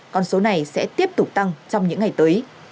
con số này sẽ tiếp tục tăng trong những ngày tới